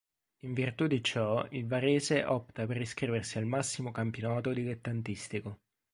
In virtù di ciò, il Varese opta per iscriversi al massimo campionato dilettantistico.